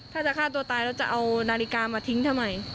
ถ้าจะฆ่าตัวตายแล้วจะเอานาฬิกามาทิ้งทำไม